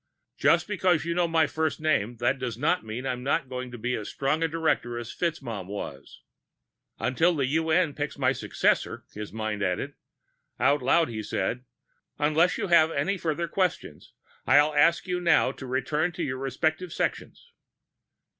"Just because you know my first name, that doesn't mean I'm not going to be as strong a director as FitzMaugham was." Until the UN picks my successor, his mind added. Out loud he said, "Unless you have any further questions, I'll ask you now to return to your respective sections."